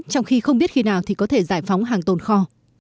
trong khi không biết khi nào thì có thể giải phóng hàng tồn kho